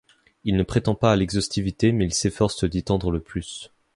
Il ne prétend pas à l'exhaustivité mais il s'efforce d'y tendre le plus.